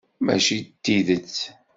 Mačči d tidet?